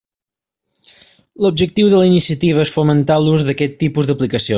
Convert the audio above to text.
L'objectiu de la iniciativa és fomentar l'ús d'aquest tipus d'aplicacions.